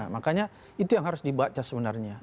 makanya itu yang harus dibaca sebenarnya